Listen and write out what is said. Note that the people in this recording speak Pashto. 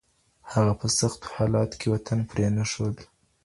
هغه په سختو حالاتو کي وطن پرې نه ښود.